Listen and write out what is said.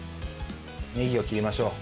ねぎを切りましょう。